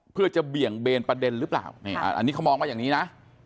เพื่อจะเบี่ยงเบนประเด็นหรือเปล่านี่อันนี้เขามองว่าอย่างนี้นะ